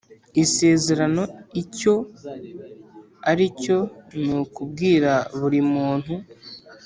isezerano icyo ari cyo Ni ukubwira burimuntu